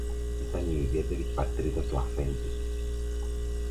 Ήταν η ιδιαίτερη πατρίδα του αφέντη μου